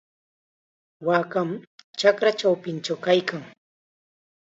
Waakam chakra chawpinchaw kaykan.